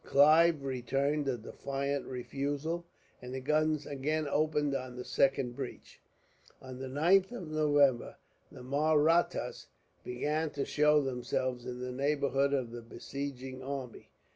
Clive returned a defiant refusal, and the guns again opened on the second breach. On the 9th of November, the Mahrattas began to show themselves in the neighbourhood of the besieging army.